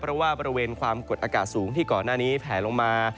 เพราะว่าบริเวณความกดอากาศสูงที่ก่อนหน้านี้แผลลงมา